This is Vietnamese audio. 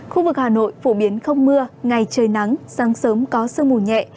khu vực hà nội phổ biến không mưa ngày trời nắng sáng sớm có sương mù nhẹ